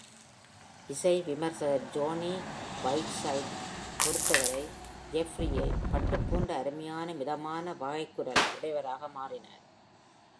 இசை விமர்சகர் Jonny Whiteside-ஐப் பொருத்தவரை Jeffries “பட்டுப்போன்ற அருமையான மிதமான வகைக்குரல்” உடையவராக மாறினார்.